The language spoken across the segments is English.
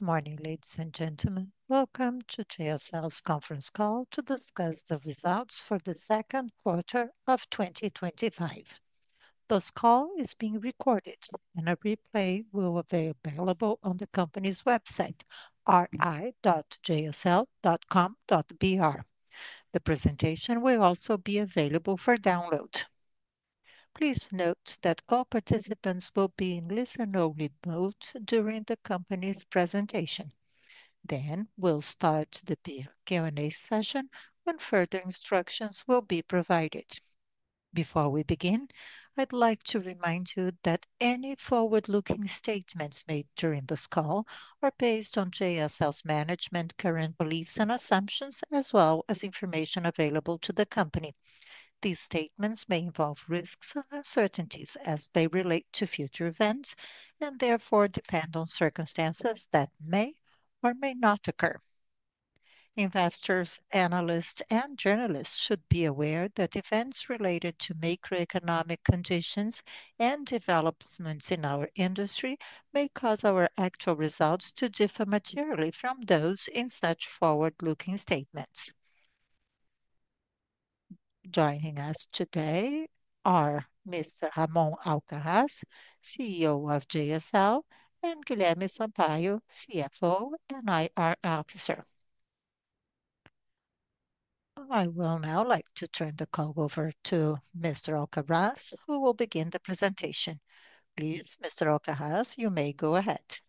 Good morning, ladies and gentlemen. Welcome to JSL's conference call to discuss the results for the second quarter of 2025. This call is being recorded, and a replay will be available on the company's website, ri.jsl.com.br. The presentation will also be available for download. Please note that all participants will be in listen-only mode during the company's presentation. We'll start the Q&A session when further instructions will be provided. Before we begin, I'd like to remind you that any forward-looking statements made during this call are based on JSL's management, current beliefs, and assumptions, as well as information available to the company. These statements may involve risks and uncertainties as they relate to future events and therefore depend on circumstances that may or may not occur. Investors, analysts, and journalists should be aware that events related to macroeconomic conditions and developments in our industry may cause our actual results to differ materially from those in such forward-looking statements. Joining us today are Mr. Ramon Alcaraz, CEO of JSL, and Guilherme Sampaio, CFO and IR Officer. I would now like to turn the call over to Mr. Alcaraz, who will begin the presentation. Please, Mr. Alcaraz, you may go ahead.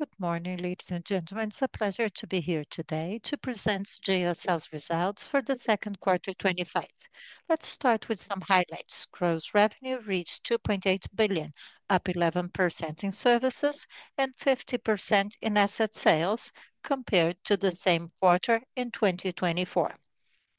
Good morning, ladies and gentlemen. It's a pleasure to be here today to present JSL's results for the second quarter of 2025. Let's start with some highlights. Gross revenue reached 2.8 billion, up 11% in services and 50% in asset sales, compared to the same quarter in 2024.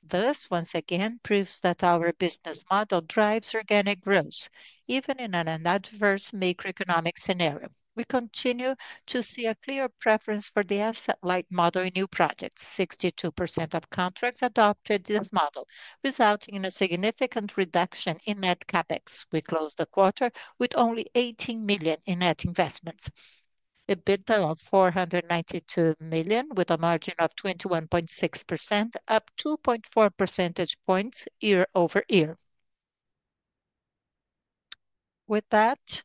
This, once again, proves that our business model drives organic growth, even in an adverse macroeconomic scenario. We continue to see a clear preference for the asset-light model in new projects. 62% of contracts adopted this model, resulting in a significant reduction in net CapEx. We closed the quarter with only 18 million in net investments. A bid of 492 million with a margin of 21.6%, up 2.4 percentage points year-over-year. With that,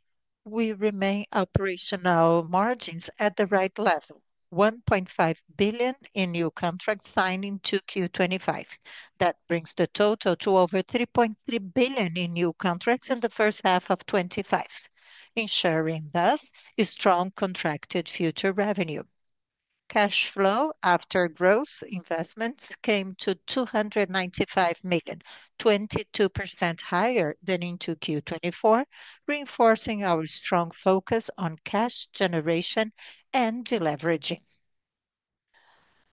we remain operational margins at the right level: 1.5 billion in new contracts signing to Q 2025. That brings the total to over 3.3 billion in new contracts in the first half of 2025, ensuring thus a strong contracted future revenue. Cash flow after gross investments came to 295 million, 22% higher than in Q2 2024, reinforcing our strong focus on cash generation and deleveraging.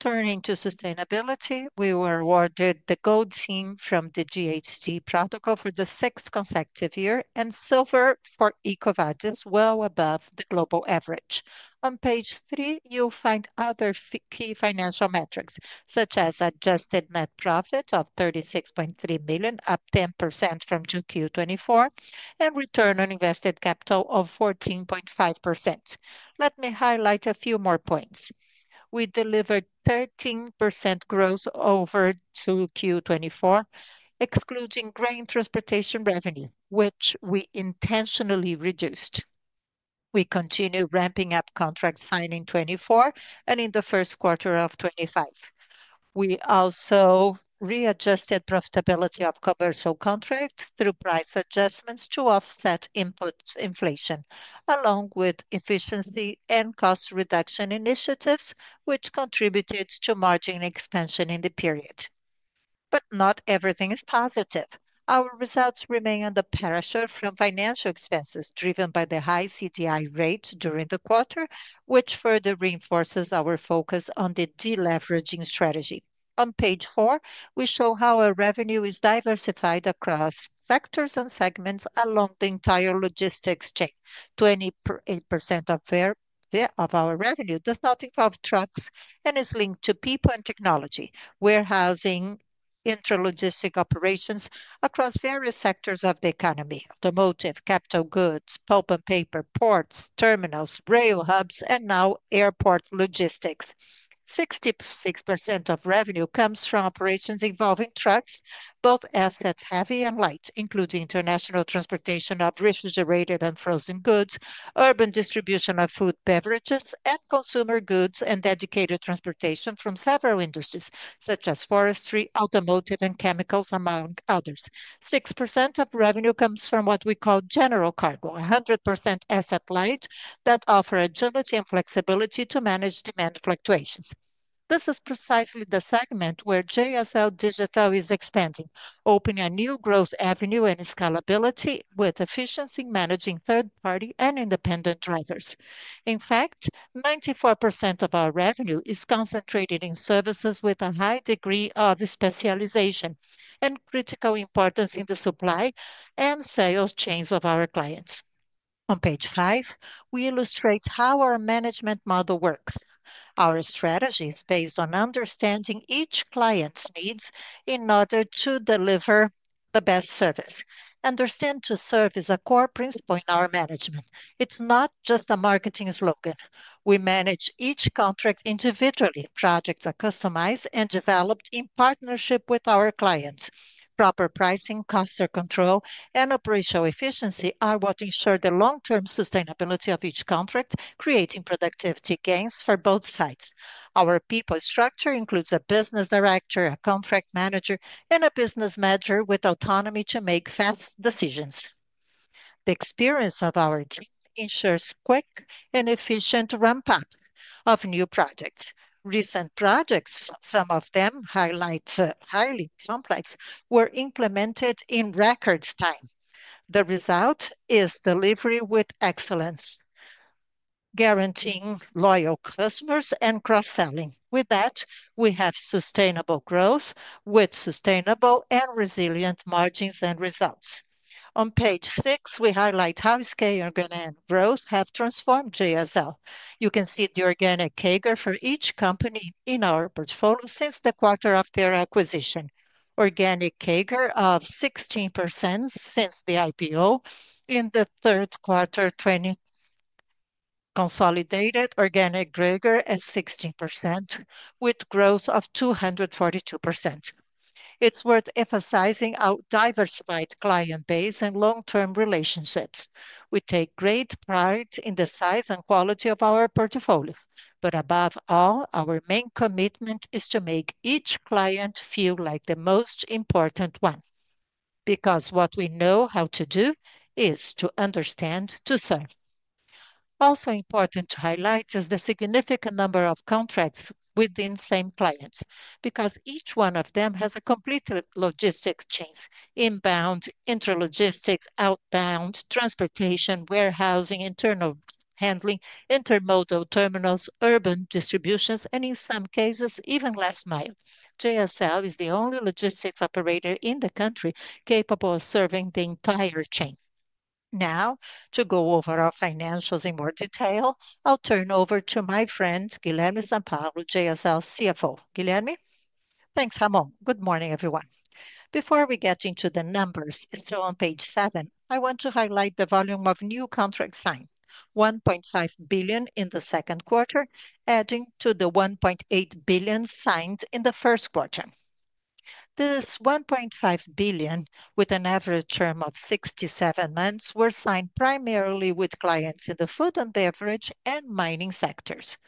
Turning to sustainability, we were awarded the Gold Seal from the GHG Protocol for the sixth consecutive year, and Silver for EcoVadis, well above the global average. On page three, you'll find other key financial metrics, such as adjusted net profit of 36.3 million, up 10% from Q2 2024, and return on invested capital of 14.5%. Let me highlight a few more points. We delivered 13% growth over Q2 2024, excluding grain transportation revenue, which we intentionally reduced. We continue ramping up contract signing in 2024 and in the first quarter of 2025. We also readjusted profitability of commercial contracts through price adjustments to offset input inflation, along with efficiency and cost reduction initiatives, which contributed to margin expansion in the period. Not everything is positive. Our results remain under pressure from financial expenses, driven by the high CDI rate during the quarter, which further reinforces our focus on the deleveraging strategy. On page four, we show how our revenue is diversified across sectors and segments along the entire logistics chain. 28% of our revenue does not involve trucks and is linked to people and technology, warehousing, interlogistics operations across various sectors of the economy: automotive, capital goods, pulp and paper, ports, terminals, rail hubs, and now airport logistics. 66% of revenue comes from operations involving trucks, both asset-heavy and asset-light, including international transportation of refrigerated and frozen goods, urban distribution of food, beverages, and consumer goods, and dedicated transportation from several industries, such as forestry, automotive, and chemicals, among others. 6% of revenue comes from what we call general cargo, 100% asset-light that offer agility and flexibility to manage demand fluctuations. This is precisely the segment where JSL Digital is expanding, opening a new growth avenue and scalability with efficiency in managing third-party and independent drivers. In fact, 94% of our revenue is concentrated in services with a high degree of specialization and critical importance in the supply and sales chains of our clients. On page five, we illustrate how our management model works. Our strategy is based on understanding each client's needs in order to deliver the best service. Understand to serve is a core principle in our management. It's not just a marketing slogan. We manage each contract individually. Projects are customized and developed in partnership with our clients. Proper pricing, cost control, and operational efficiency are what ensure the long-term sustainability of each contract, creating productivity gains for both sides. Our people structure includes a Business Director, a Contract Manager, and a Business Manager with autonomy to make fast decisions. The experience of our team ensures quick and efficient ramp-up of new projects. Recent projects, some of them highly complex, were implemented in record time. The result is delivery with excellence, guaranteeing loyal customers and cross-selling. With that, we have sustainable growth with sustainable and resilient margins and results. On page six, we highlight how scaling organic growth has transformed JSL. You can see the organic CAGR for each company in our portfolio since the quarter of their acquisition. Organic CAGR of 16% since the IPO in the third quarter of [2025]. Consolidated organic CAGR at 16% with growth of 242%. It's worth emphasizing our diversified client base and long-term relationships. We take great pride in the size and quality of our portfolio. Above all, our main commitment is to make each client feel like the most important one because what we know how to do is to understand to serve. Also important to highlight is the significant number of contracts within the same clients because each one of them has a complete logistics chain: inbound, interlogistics, outbound, transportation, warehousing, internal handling, intermodal terminals, urban distributions, and in some cases, even last mile. JSL is the only logistics operator in the country capable of serving the entire chain. Now, to go over our financials in more detail, I'll turn over to my friend, Guilherme Sampaio, JSL CFO. Guilherme, thanks. Good morning, everyone. Before we get into the numbers, still on page seven, I want to highlight the volume of new contracts signed: 1.5 billion in the second quarter, adding to the 1.8 billion signed in the first quarter. This 1.5 billion, with an average term of 67 months, was signed primarily with clients in the food and beverage and mining sectors.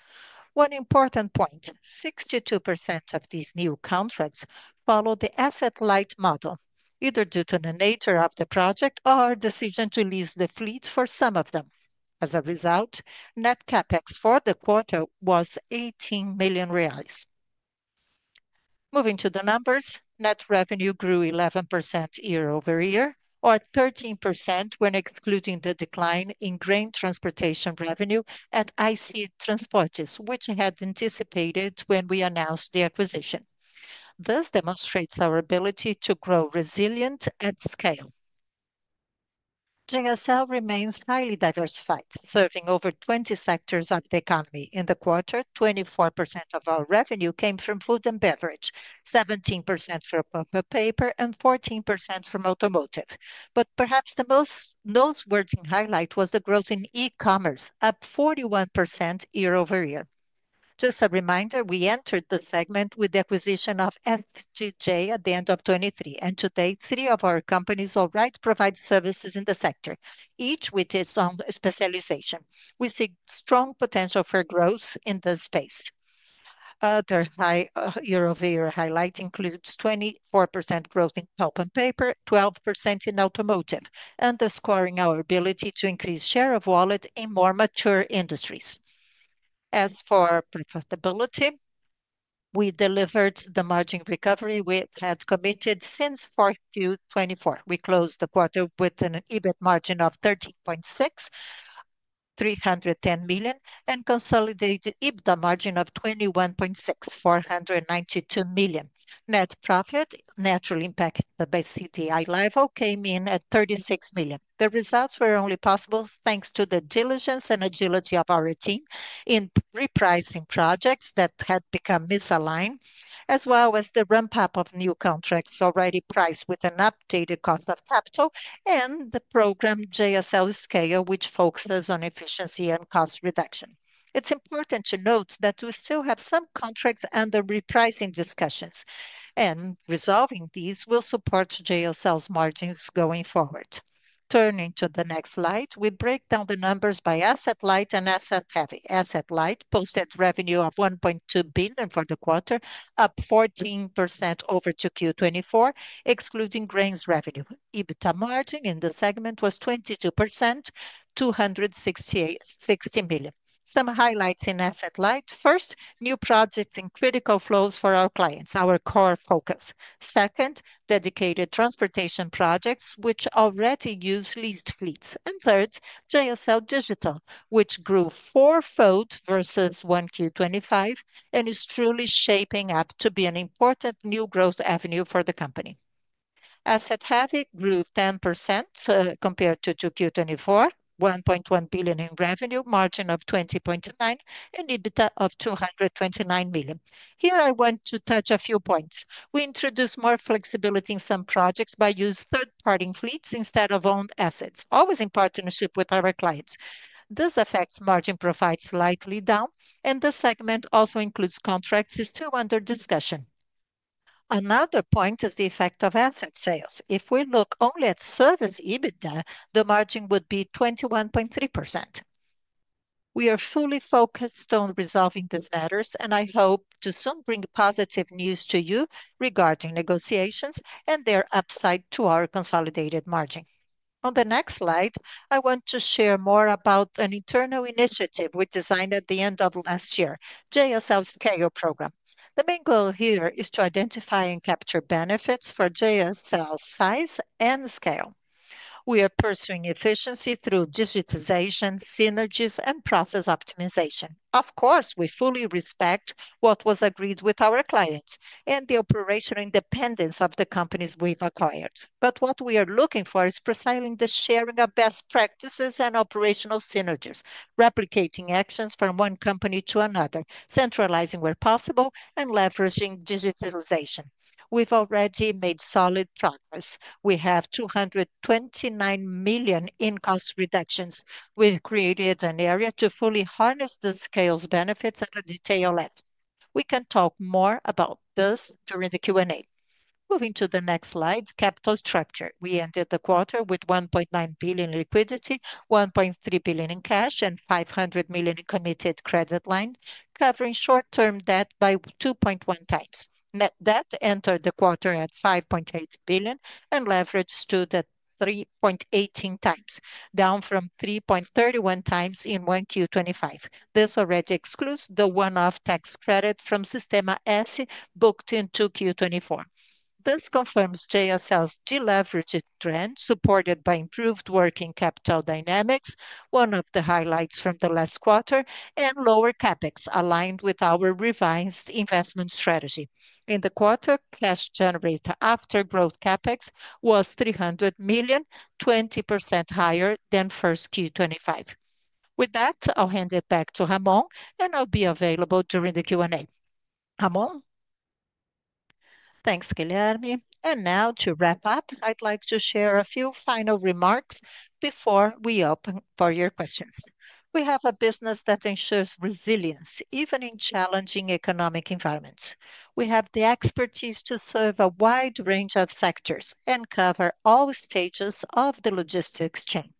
One important point: 62% of these new contracts follow the asset-light model, either due to the nature of the project or our decision to lease the fleet for some of them. As a result, net CapEx for the quarter was 18 million reais. Moving to the numbers, net revenue grew 11% year-over-year, or 13% when excluding the decline in grain transportation revenue at IC Transportes, which we had anticipated when we announced the acquisition. This demonstrates our ability to grow resilient at scale. JSL remains highly diversified, serving over 20 sectors of the economy. In the quarter, 24% of our revenue came from food and beverage, 17% from pulp and paper, and 14% from automotive. Perhaps the most worthy highlight was the growth in e-commerce, up 41% year-over-year. Just a reminder, we entered the segment with the acquisition of F2J at the end of 2023, and to date, three of our companies already provide services in the sector, each with its own specialization. We see strong potential for growth in this space. Other year-over-year highlights include 24% growth in pulp and paper, 12% in automotive, underscoring our ability to increase share of wallet in more mature industries. As for profitability, we delivered the margin recovery we had committed since [Q4] 2024. We closed the quarter with an EBIT margin of 13.6%, 310 million, and consolidated EBITDA margin of 21.6%, 492 million. Net profit, naturally impacting the base CGI level, came in at 36 million. The results were only possible thanks to the diligence and agility of our team in repricing projects that had become misaligned, as well as the ramp-up of new contracts already priced with an updated cost of capital and the JSL Scale Program, which focuses on efficiency and cost reduction. It's important to note that we still have some contracts under repricing discussions, and resolving these will support JSL's margins going forward. Turning to the next slide, we break down the numbers by asset-light and asset-heavy. Asset-light posted revenue of 1.2 billion for the quarter, up 14% over Q2 2024, excluding grains revenue. EBITDA margin in the segment was 22%, 260 million. Some highlights in asset-light: first, new projects in critical flows for our clients, our core focus; second, dedicated transportation projects, which already use leased fleets; and third, JSL Digital, which grew fourfold versus Q1 2025 and is truly shaping up to be an important new growth avenue for the company. Asset-heavy grew 10% compared to Q2 2024, 1.1 billion in revenue, margin of 20.9%, and EBITDA of 229 million. Here, I want to touch a few points. We introduced more flexibility in some projects by using third-party fleets instead of owned assets, always in partnership with our clients. This affects margin profile slightly down, and this segment also includes contracts still under discussion. Another point is the effect of asset sales. If we look only at service EBITDA, the margin would be 21.3%. We are fully focused on resolving these matters, and I hope to soon bring positive news to you regarding negotiations and their upside to our consolidated margin. On the next slide, I want to share more about an internal initiative we designed at the end of last year, JSL Scale Program. The main goal here is to identify and capture benefits for JSL's size and scale. We are pursuing efficiency through digitization, synergies, and process optimization. Of course, we fully respect what was agreed with our clients and the operational independence of the companies we've acquired. What we are looking for is precisely the sharing of best practices and operational synergies, replicating actions from one company to another, centralizing where possible, and leveraging digitalization. We've already made solid progress. We have 229 million in cost reductions. We've created an area to fully harness the scale's benefits at a detailed level. We can talk more about this during the Q&A. Moving to the next slide, capital structure. We ended the quarter with 1.9 billion in liquidity, 1.3 billion in cash, and 500 million in committed credit lines, covering short-term debt by 2.1x. Net debt entered the quarter at 5.8 billion and leveraged to the 3.18x, down from 3.31x in Q1 2025. This already excludes the one-off tax credit from [Sistema S.E.] booked into Q2 2024. This confirms JSL's deleveraging trend, supported by improved working capital dynamics, one of the highlights from the last quarter, and lower CapEx, aligned with our revised investment strategy. In the quarter, cash generated after growth CapEx was 300 million, 20% higher than Q1 2025. With that, I'll hand it back to Ramon, and I'll be available during the Q&A. Ramon? Thanks, Guilherme. Now, to wrap up, I'd like to share a few final remarks before we open for your questions. We have a business that ensures resilience, even in challenging economic environments. We have the expertise to serve a wide range of sectors and cover all stages of the logistics chain.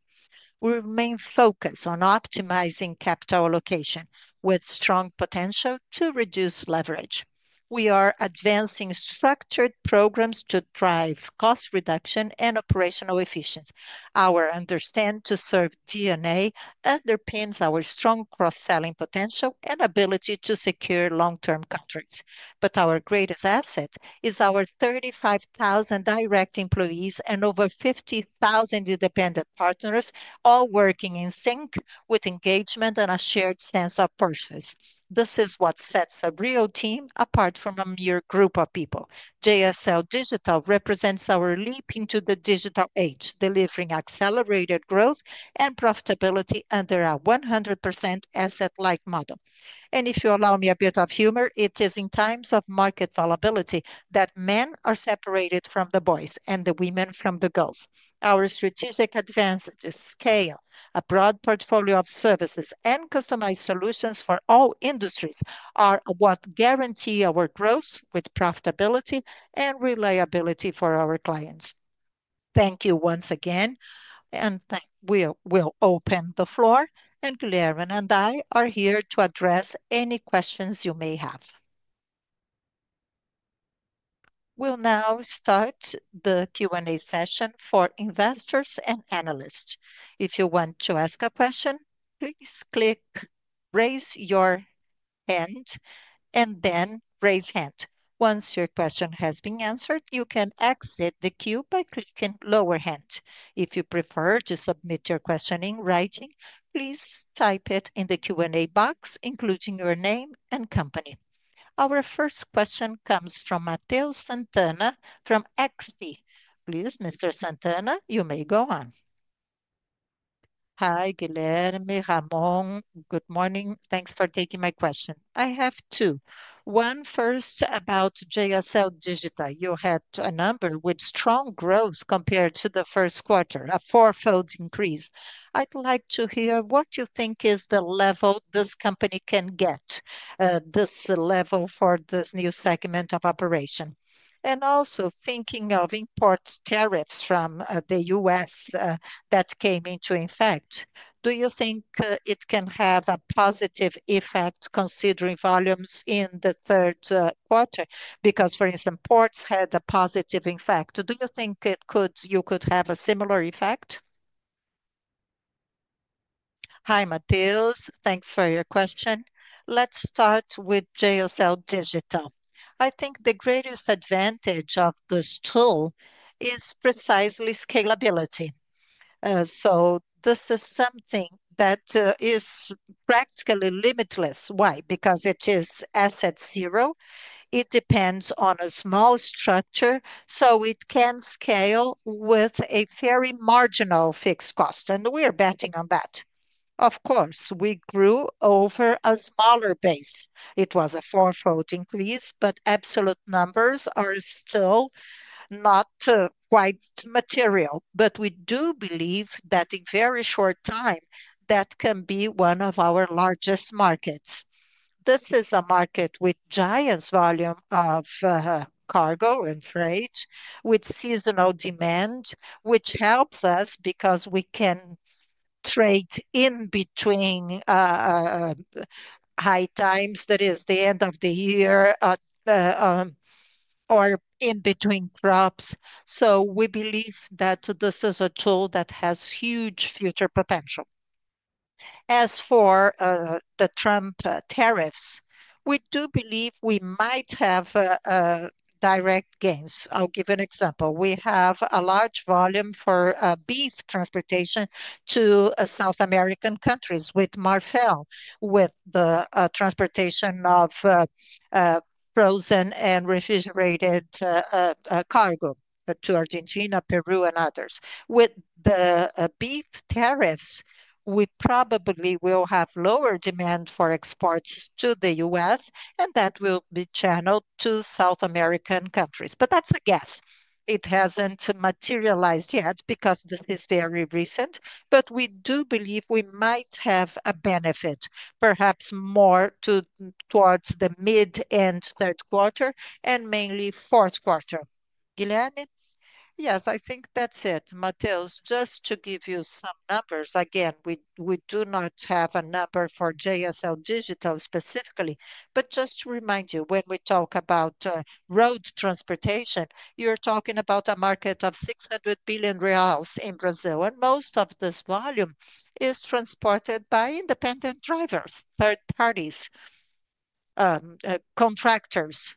We remain focused on optimizing capital allocation, with strong potential to reduce leverage. We are advancing structured programs to drive cost reduction and operational efficiency. Our understanding to serve DNA underpins our strong cross-selling potential and ability to secure long-term contracts. Our greatest asset is our 35,000 direct employees and over 50,000 independent partners, all working in sync with engagement and a shared sense of purpose. This is what sets a real team apart from a mere group of people. JSL Digital represents our leap into the digital age, delivering accelerated growth and profitability under our 100% asset-light model. If you allow me a bit of humor, it is in times of market volatility that men are separated from the boys and the women from the girls. Our strategic advantages, scale, a broad portfolio of services, and customized solutions for all industries are what guarantee our growth with profitability and reliability for our clients. Thank you once again, and we'll open the floor, and Guilherme and I are here to address any questions you may have. We'll now start the Q&A session for investors and analysts. If you want to ask a question, please click raise your hand and then raise your hand. Once your question has been answered, you can exit the queue by clicking lower hand. If you prefer to submit your question in writing, please type it in the Q&A box, including your name and company. Our first question comes from Mateo Santana from XD. Please, Mr. Santana, you may go on. Hi, Guilherme, Ramon. Good morning. Thanks for taking my question. I have two. One, first about JSL Digital. You had a number with strong growth compared to the first quarter, a fourfold increase. I'd like to hear what you think is the level this company can get, this level for this new segment of operation. Also, thinking of import tariffs from the U.S. that came into effect, do you think it can have a positive effect considering volumes in the third quarter? For instance, ports had a positive effect. Do you think you could have a similar effect? Hi, Mateo. Thanks for your question. Let's start with JSL Digital. I think the greatest advantage of this tool is precisely scalability. This is something that is practically limitless. Why? Because it is asset zero. It depends on a small structure, so it can scale with a very marginal fixed cost, and we are betting on that. Of course, we grew over a smaller base. It was a fourfold increase, but absolute numbers are still not quite material. But we do believe that in a very short time, that can be one of our largest markets. This is a market with giant volumes of cargo and freight, with seasonal demand, which helps us because we can trade in between high times, that is the end of the year, or in between crops. We believe that this is a tool that has huge future potential. As for the Trump tariffs, we do believe we might have direct gains. I'll give an example. We have a large volume for beef transportation to South American countries with Marfel, with the transportation of frozen and refrigerated cargo to Argentina, Peru, and others. With the beef tariffs, we probably will have lower demand for exports to the U.S., and that will be channeled to South American countries. That's a guess. It hasn't materialized yet because this is very recent, but we do believe we might have a benefit, perhaps more towards the mid-end third quarter and mainly fourth quarter. Guilherme? Yes, I think that's it. Mateo, just to give you some numbers, again, we do not have a number for JSL Digital specifically, but just to remind you, when we talk about road transportation, you're talking about a market of 600 billion reais in Brazil, and most of this volume is transported by independent drivers, third parties, contractors.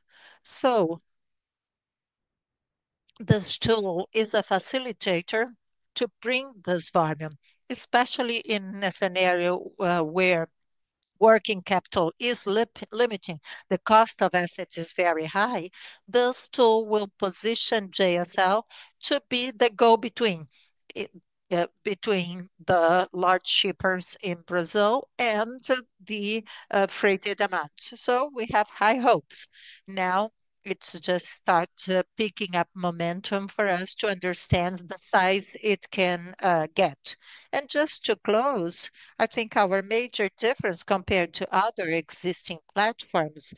This tool is a facilitator to bring this volume, especially in a scenario where working capital is limiting, the cost of assets is very high. This tool will position JSL to be the go-between between the large shippers in Brazil and the freighted amounts. We have high hopes. Now, it's just start picking up momentum for us to understand the size it can get. Just to close, I think our major difference compared to other existing platforms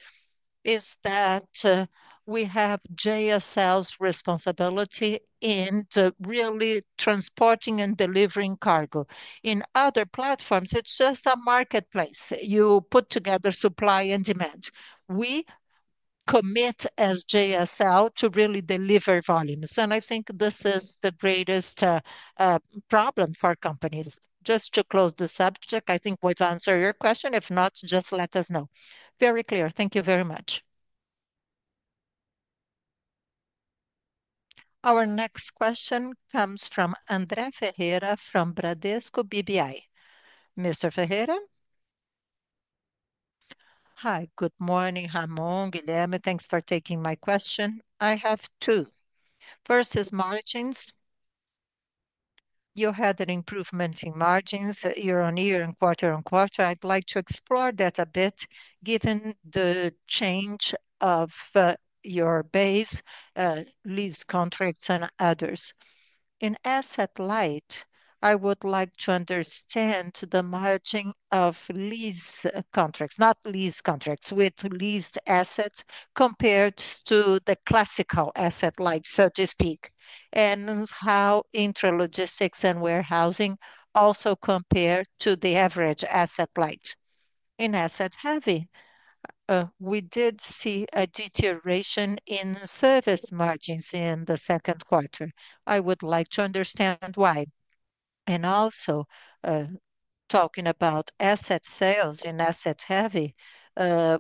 is that we have JSL's responsibility in really transporting and delivering cargo. In other platforms, it's just a marketplace. You put together supply and demand. We commit as JSL to really deliver volumes. I think this is the greatest problem for companies. Just to close the subject, I think we've answered your question. If not, just let us know. Very clear. Thank you very much. Our next question comes from André Ferreira from Bradesco BBI. Mr. Ferreira? Hi, good morning, Ramon, Guilherme. Thanks for taking my question. I have two. First is margins. You had an improvement in margins year on year and quarter on quarter. I'd like to explore that a bit, given the change of your base, lease contracts, and others. In asset-light, I would like to understand the margin of lease contracts, not lease contracts, with leased assets compared to the classical asset-light, so to speak, and how intralogistics and warehousing also compare to the average asset-light. In asset-heavy, we did see a deterioration in service margins in the second quarter. I would like to understand why. Also, talking about asset sales in asset-heavy,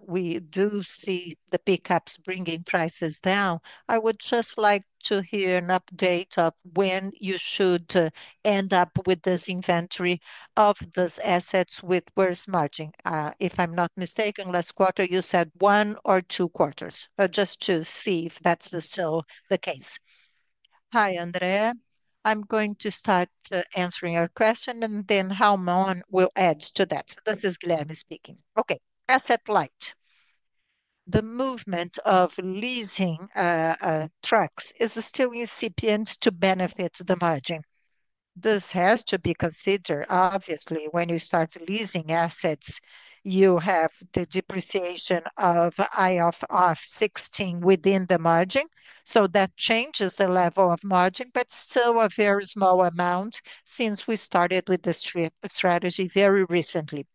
we do see the pickups bringing prices down. I would just like to hear an update of when you should end up with this inventory of those assets with worse margin. If I'm not mistaken, last quarter you said one or two quarters, just to see if that's still the case. Hi, Andrea. I'm going to start answering your question, and then Ramon will add to that. This is Guilherme speaking. Okay. Asset-light. The movement of leasing trucks is still incipient to benefit the margin. This has to be considered. Obviously, when you start leasing assets, you have the depreciation of IFRS 16 within the margin. That changes the level of margin, but still a very small amount since we started with the strategy very recently.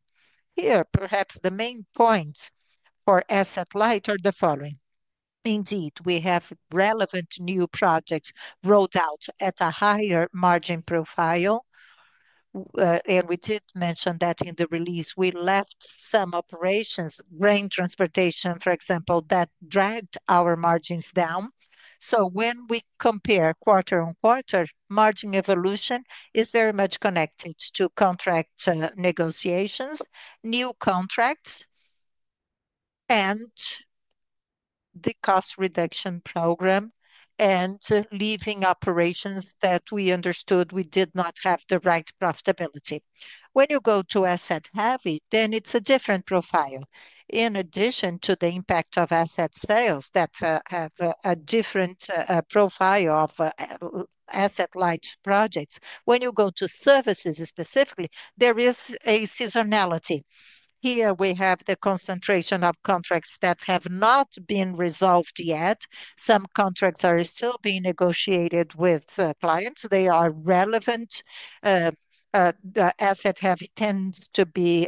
Here, perhaps the main points for asset-light are the following. Indeed, we have relevant new projects rolled out at a higher margin profile. We did mention that in the release, we left some operations, grain transportation, for example, that dragged our margins down. When we compare quarter on quarter, margin evolution is very much connected to contract negotiations, new contracts, and the cost reduction program, and leaving operations that we understood we did not have the right profitability. When you go to asset-heavy, then it's a different profile. In addition to the impact of asset sales that have a different profile of asset-light projects, when you go to services specifically, there is a seasonality. Here, we have the concentration of contracts that have not been resolved yet. Some contracts are still being negotiated with clients. They are relevant. The assets tend to be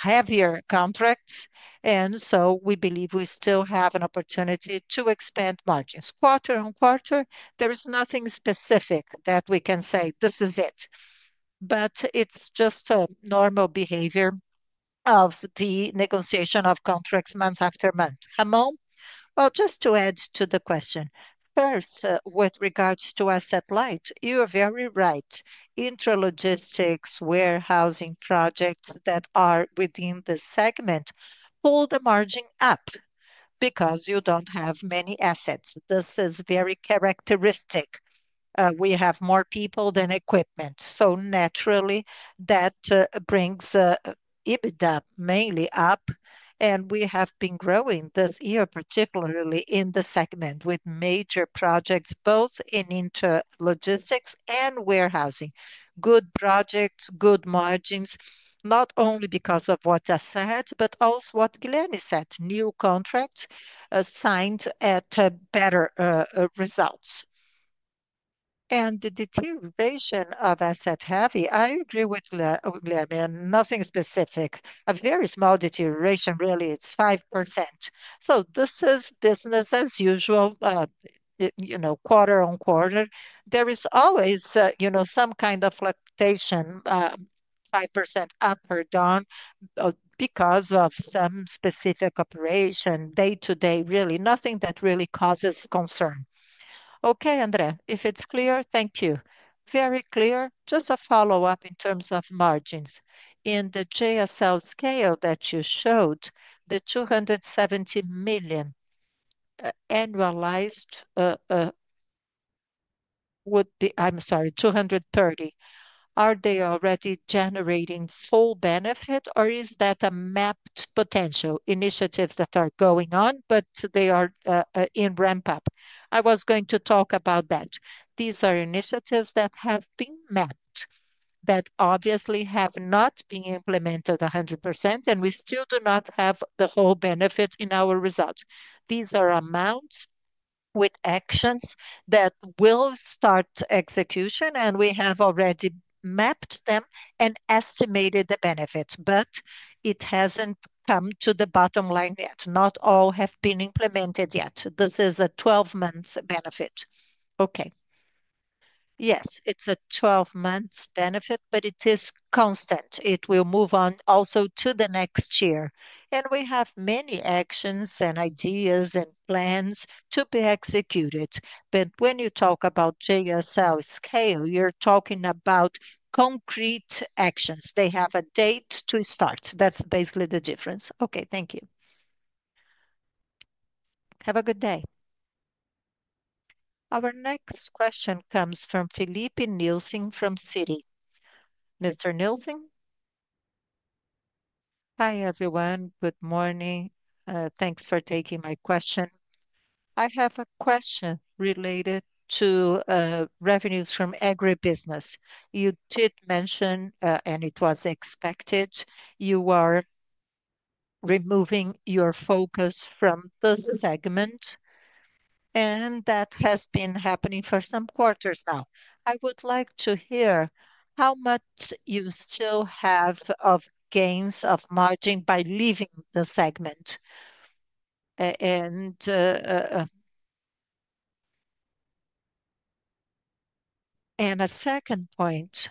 heavier contracts. We believe we still have an opportunity to expand margins. Quarter on quarter, there is nothing specific that we can say, "This is it." It's just a normal behavior of the negotiation of contracts month after month. Ramon? Just to add to the question. First, with regards to asset-light, you're very right. Intralogistics, warehousing projects that are within the segment pull the margin up because you don't have many assets. This is very characteristic. We have more people than equipment. Naturally, that brings EBITDA mainly up. We have been growing this year, particularly in the segment, with major projects both in interlogistics and warehousing. Good projects, good margins, not only because of what I said, but also what Guilherme said, new contracts signed at better results. The deterioration of asset-heavy, I agree with Guilherme, nothing specific. A very small deterioration, really. It's 5%. This is business as usual, you know, quarter on quarter. There is always, you know, some kind of fluctuation, 5% up or down, because of some specific operation, day-to-day, really, nothing that really causes concern. Okay, André, if it's clear, thank you. Very clear. Just a follow-up in terms of margins. In the JSL Scale that you showed, the 270 million annualized would be, I'm sorry, 230 million. Are they already generating full benefit, or is that a mapped potential initiatives that are going on, but they are in ramp-up? I was going to talk about that. These are initiatives that have been mapped, that obviously have not been implemented 100%, and we still do not have the whole benefit in our result. These are amounts with actions that will start execution, and we have already mapped them and estimated the benefits. It hasn't come to the bottom line yet. Not all have been implemented yet. This is a 12-month benefit. Okay. Yes, it's a 12-month benefit, but it is constant. It will move on also to the next year. We have many actions and ideas and plans to be executed. When you talk about JSL Scale, you're talking about concrete actions. They have a date to start. That's basically the difference. Okay, thank you. Have a good day. Our next question comes from Filipe Nielsen from Citi. Mr. Nielsen? Hi, everyone. Good morning. Thanks for taking my question. I have a question related to revenues from agribusiness. You did mention, and it was expected, you are removing your focus from this segment, and that has been happening for some quarters now. I would like to hear how much you still have of gains of margin by leaving the segment. A second point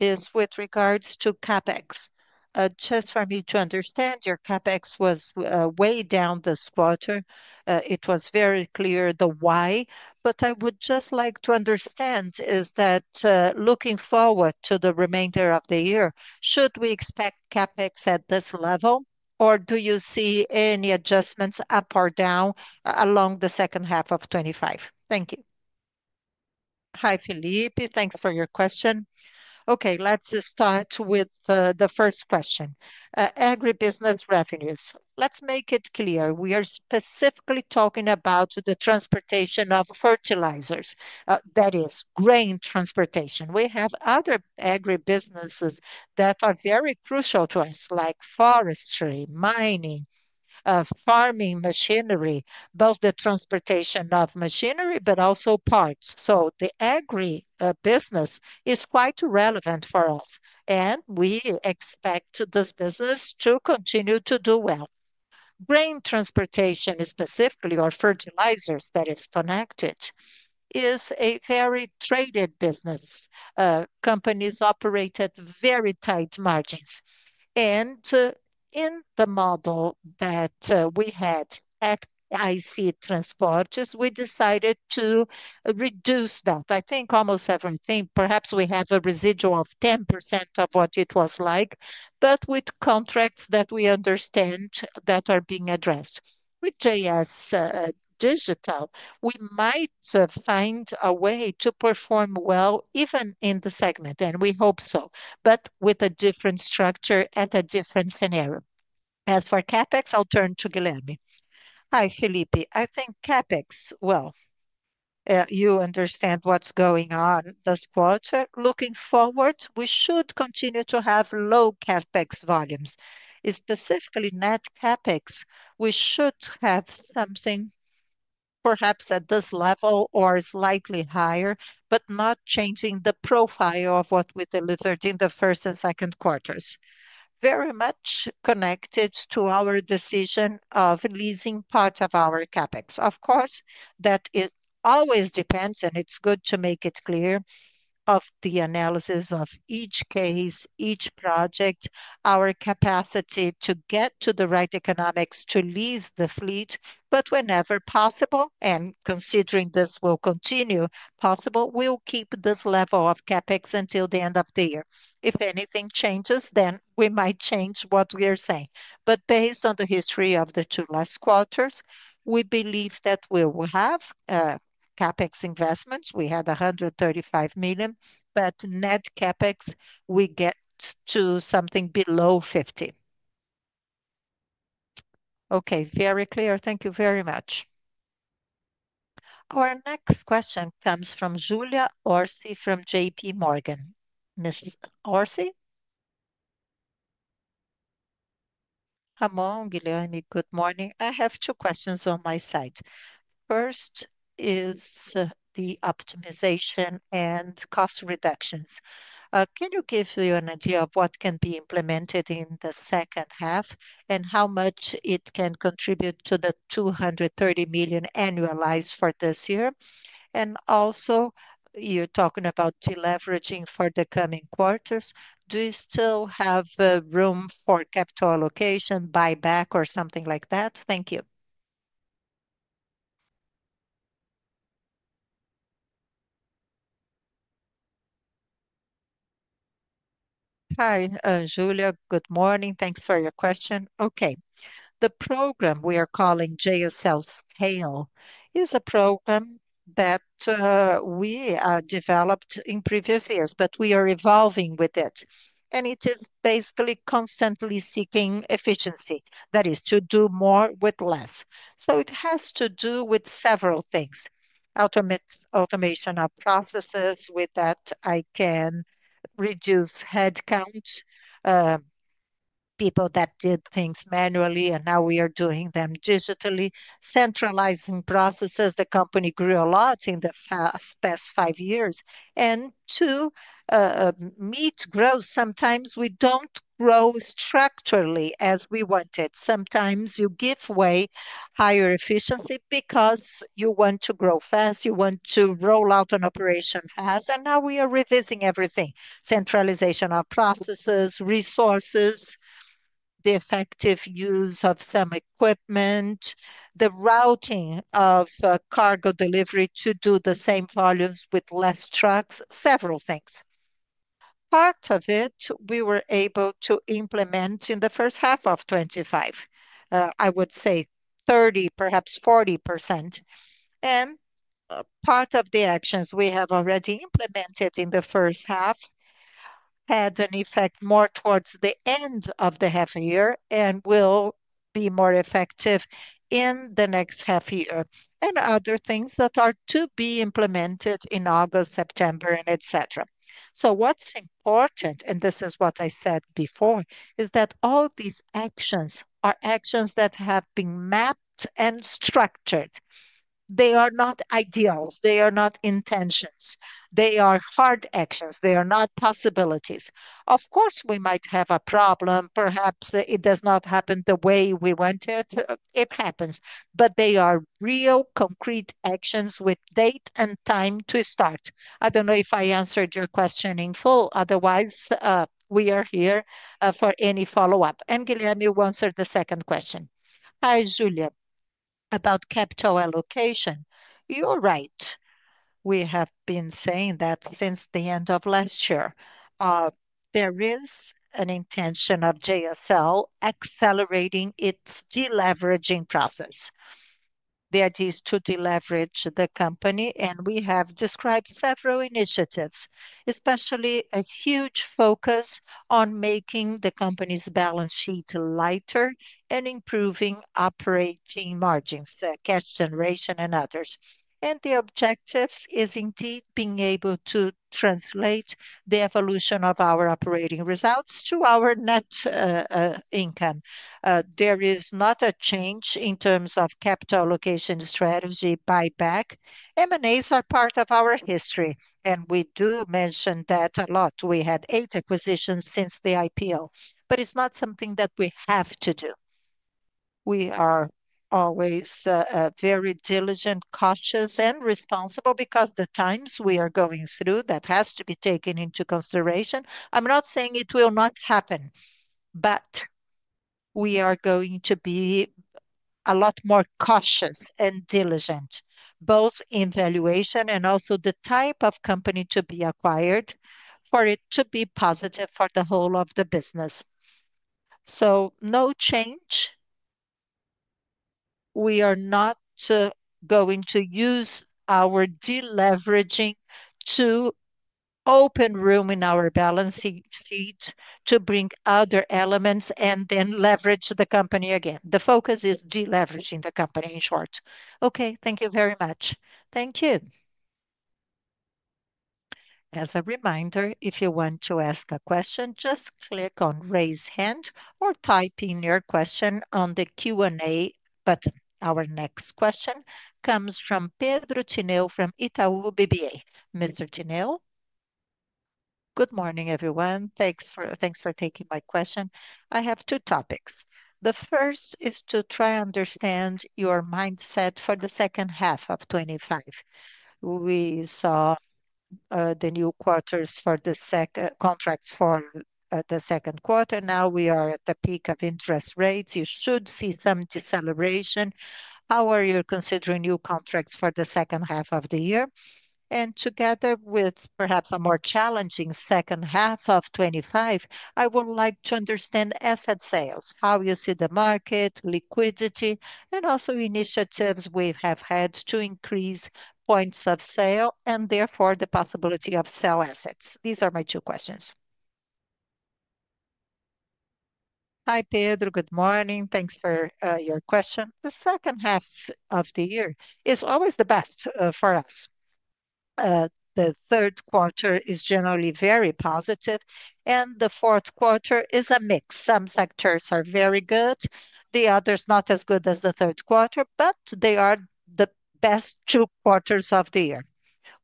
is with regards to CapEx. Just for me to understand, your CapEx was way down this quarter. It was very clear the why. I would just like to understand is that looking forward to the remainder of the year, should we expect CapEx at this level, or do you see any adjustments up or down along the second half of 2025? Thank you. Hi, Filipe. Thanks for your question. Okay, let's start with the first question. Agribusiness revenues. Let's make it clear. We are specifically talking about the transportation of fertilizers. That is grain transportation. We have other agribusinesses that are very crucial to us, like forestry, mining, farming, machinery, both the transportation of machinery, but also parts. The agribusiness is quite relevant for us, and we expect this business to continue to do well. Grain transportation, specifically our fertilizers that is connected, is a very traded business. Companies operate at very tight margins. In the model that we had at IC Transportes, we decided to reduce them. I think almost everything, perhaps we have a residual of 10% of what it was like, but with contracts that we understand that are being addressed. With JSL Digital, we might find a way to perform well even in the segment, and we hope so, but with a different structure and a different scenario. As for CapEx, I'll turn to Guilherme. Hi, Filipe. I think CapEx, you understand what's going on this quarter. Looking forward, we should continue to have low CapEx volumes. Specifically, net CapEx, we should have something perhaps at this level or slightly higher, but not changing the profile of what we delivered in the first and second quarters. Very much connected to our decision of leasing part of our CapEx. Of course, that always depends, and it's good to make it clear, on the analysis of each case, each project, our capacity to get to the right economics to lease the fleet, but whenever possible, and considering this will continue possible, we'll keep this level of CapEx until the end of the year. If anything changes, then we might change what we are saying. Based on the history of the two last quarters, we believe that we will have CapEx investments. We had 135 million, but net CapEx, we get to something below 50 million. Okay, very clear. Thank you very much. Our next question comes from Julia Orsi from JPMorgan. Mrs. Orsi? Ramon, Guilherme, good morning. I have two questions on my side. First is the optimization and cost reductions. Can you give an idea of what can be implemented in the second half and how much it can contribute to the 230 million annualized for this year? Also, you're talking about deleveraging for the coming quarters. Do you still have room for capital allocation, buyback, or something like that? Thank you. Hi, Julia. Good morning. Thanks for your question. Okay. The program we are calling JSL Scale is a program that we developed in previous years, but we are evolving with it. It is basically constantly seeking efficiency, that is to do more with less. It has to do with several things: automation of processes. With that, I can reduce headcount. People that did things manually, and now we are doing them digitally. Centralizing processes. The company grew a lot in the past five years. To meet growth, sometimes we don't grow structurally as we wanted. Sometimes you give away higher efficiency because you want to grow fast. You want to roll out an operation fast. Now we are revisiting everything: centralization of processes, resources, the effective use of some equipment, the routing of cargo delivery to do the same volumes with less trucks, several things. Part of it, we were able to implement in the first half of 2025. I would say 30%, perhaps 40%. Part of the actions we have already implemented in the first half had an effect more towards the end of the half a year and will be more effective in the next half a year. Other things are to be implemented in August, September, etc. What's important, and this is what I said before, is that all these actions are actions that have been mapped and structured. They are not ideals. They are not intentions. They are hard actions. They are not possibilities. Of course, we might have a problem. Perhaps it does not happen the way we want it. It happens. They are real, concrete actions with date and time to start. I don't know if I answered your question in full. Otherwise, we are here for any follow-up. Guilherme, you answered the second question. Hi, Julia. About capital allocation, you're right. We have been saying that since the end of last year. There is an intention of JSL accelerating its deleveraging process. The idea is to deleverage the company, and we have described several initiatives, especially a huge focus on making the company's balance sheet lighter and improving operating margins, cash generation, and others. The objectives are indeed being able to translate the evolution of our operating results to our net income. There is not a change in terms of capital allocation strategy, buyback. M&A are part of our history, and we do mention that a lot. We had eight acquisitions since the IPO, but it's not something that we have to do. We are always very diligent, cautious, and responsible because of the times we are going through. That has to be taken into consideration. I'm not saying it will not happen, but we are going to be a lot more cautious and diligent, both in valuation and also the type of company to be acquired for it to be positive for the whole of the business. No change. We are not going to use our deleveraging to open room in our balance sheet to bring other elements and then leverage the company again. The focus is deleveraging the company, in short. Okay, thank you very much. Thank you. As a reminder, if you want to ask a question, just click on raise hand or type in your question on the Q&A button. Our next question comes from Pedro Tineo from Itaú BBA. Mr. Tineo? Good morning, everyone. Thanks for taking my question. I have two topics. The first is to try to understand your mindset for the second half of 2025. We saw the new quarters for the contracts for the second quarter. Now we are at the peak of interest rates. You should see some deceleration. How are you considering new contracts for the second half of the year? Together with perhaps a more challenging second half of 2025, I would like to understand asset sales, how you see the market, liquidity, and also initiatives we have had to increase points of sale and therefore the possibility of sale assets. These are my two questions. Hi, Pedro. Good morning. Thanks for your question. The second half of the year is always the best for us. The third quarter is generally very positive, and the fourth quarter is a mix. Some sectors are very good, the others not as good as the third quarter, but they are the best two quarters of the year.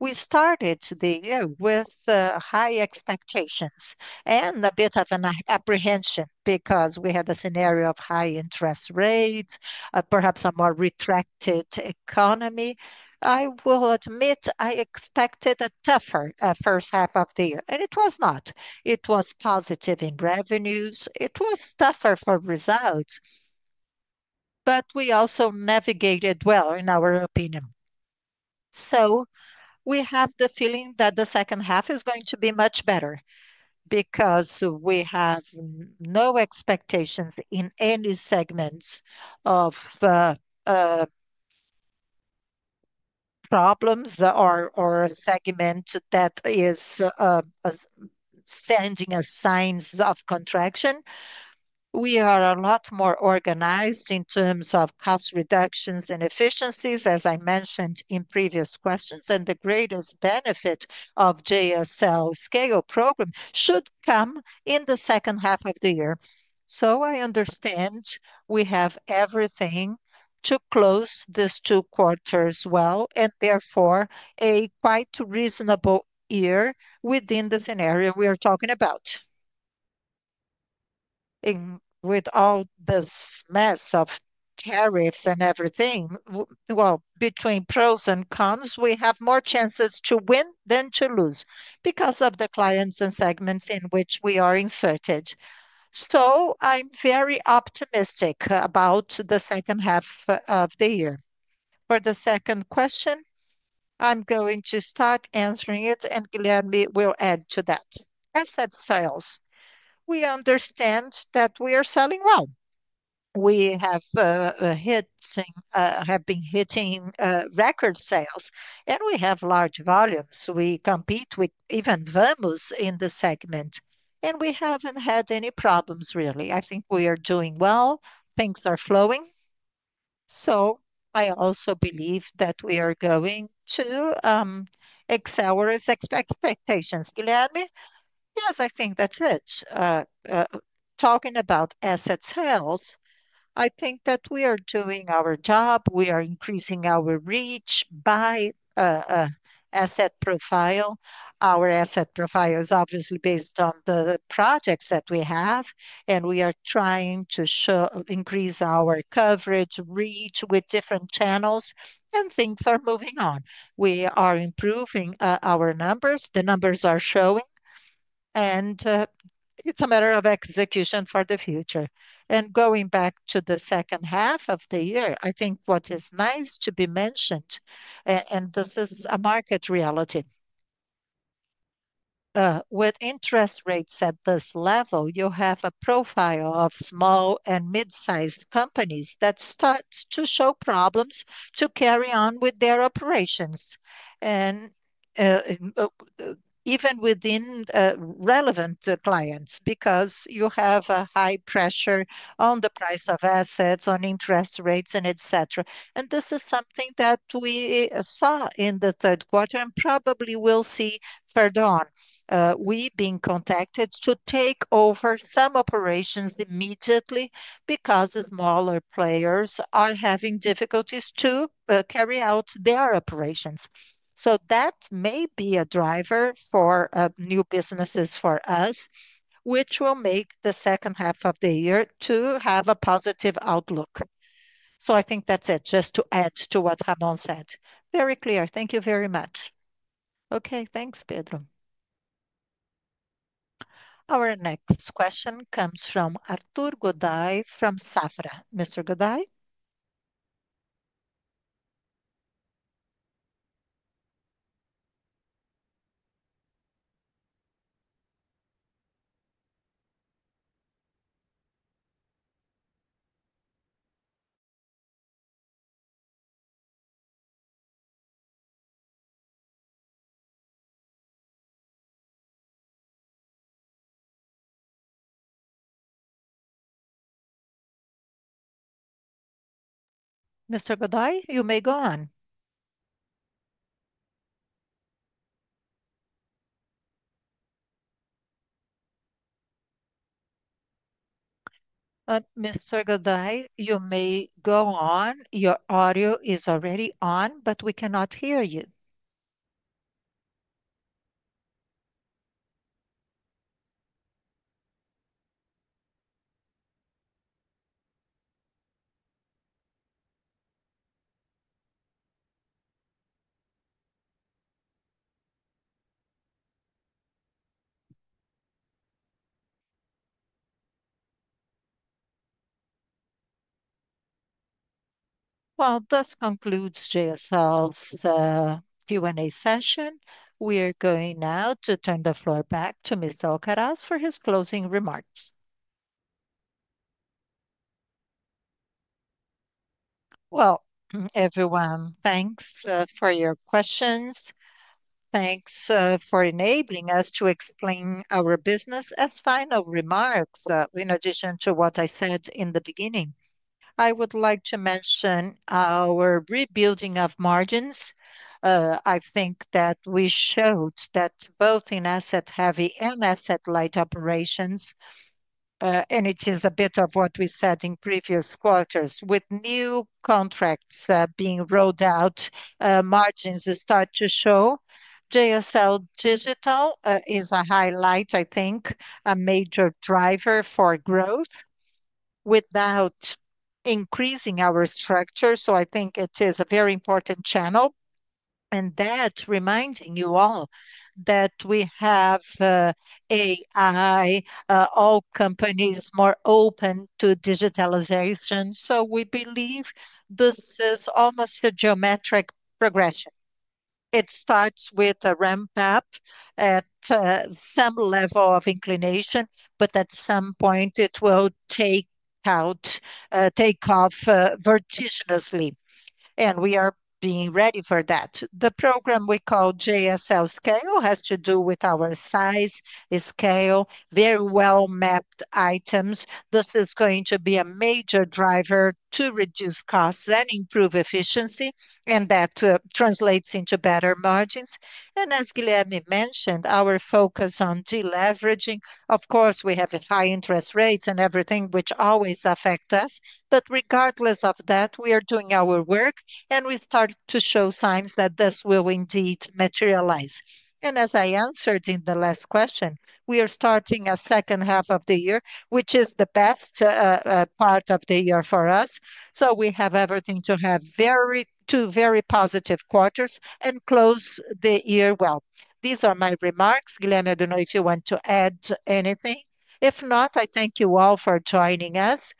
We started the year with high expectations and a bit of an apprehension because we had a scenario of high interest rates, perhaps a more retracted economy. I will admit I expected a tougher first half of the year, and it was not. It was positive in revenues. It was tougher for results. We also navigated well, in our opinion. We have the feeling that the second half is going to be much better because we have no expectations in any segments of problems or segments that are sending signs of contraction. We are a lot more organized in terms of cost reductions and efficiencies, as I mentioned in previous questions. The greatest benefit of JSL Scale Program should come in the second half of the year. I understand we have everything to close these two quarters well, and therefore a quite reasonable year within the scenario we are talking about. With all this mess of tariffs and everything, between pros and cons, we have more chances to win than to lose because of the clients and segments in which we are inserted. I'm very optimistic about the second half of the year. For the second question, I'm going to start answering it, and Guilherme will add to that. Asset sales. We understand that we are selling well. We have been hitting record sales, and we have large volumes. We compete with even Vamos in the segment. We haven't had any problems, really. I think we are doing well. Things are flowing. I also believe that we are going to exceed our expectations. Guilherme? Yes, I think that's it. Talking about asset sales, I think that we are doing our job. We are increasing our reach by asset profile. Our asset profile is obviously based on the projects that we have, and we are trying to increase our coverage, reach with different channels, and things are moving on. We are improving our numbers. The numbers are showing, and it's a matter of execution for the future. Going back to the second half of the year, I think what is nice to be mentioned, and this is a market reality, with interest rates at this level, you have a profile of small and mid-sized companies that start to show problems to carry on with their operations, and even within relevant clients because you have a high pressure on the price of assets, on interest rates, and etc. This is something that we saw in the third quarter and probably will see further on. We're being contacted to take over some operations immediately because smaller players are having difficulties to carry out their operations. That may be a driver for new businesses for us, which will make the second half of the year have a positive outlook. I think that's it, just to add to what Ramon said. Very clear. Thank you very much. Thank you, Pedro. Our next question comes from Arthur Godoy from Safra. Mr. Godoy, you may go on. Mr. Godoy, you may go on. Your audio is already on, but we cannot hear you. This concludes JSL's Q&A session. We are going now to turn the floor back to Mr. Alcaraz for his closing remarks. Everyone, thanks for your questions. Thanks for enabling us to explain our business as final remarks, in addition to what I said in the beginning. I would like to mention our rebuilding of margins. I think that we showed that both in asset-heavy and asset-light operations, and it is a bit of what we said in previous quarters, with new contracts being rolled out, margins start to show. JSL Digital is a highlight, I think, a major driver for growth without increasing our structure. I think it is a very important channel. That reminds you all that we have AI, all companies more open to digitalization. We believe this is almost a geometric progression. It starts with a ramp-up at some level of inclination, but at some point, it will take off vertiginously. We are being ready for that. The program we call JSL Scale has to do with our size, scale, very well mapped items. This is going to be a major driver to reduce costs and improve efficiency, and that translates into better margins. As Guilherme mentioned, our focus on deleveraging, of course, we have high interest rates and everything, which always affects us. Regardless of that, we are doing our work, and we start to show signs that this will indeed materialize. As I answered in the last question, we are starting a second half of the year, which is the best part of the year for us. We have everything to have two very positive quarters and close the year well. These are my remarks. Guilherme, I don't know if you want to add anything. If not, I thank you all for joining us.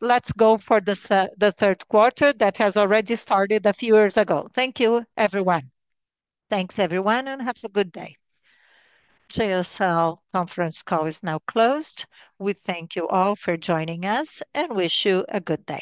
Let's go for the third quarter that has already started a few years ago. Thank you, everyone. Thanks, everyone, and have a good day. JSL conference call is now closed. We thank you all for joining us and wish you a good day.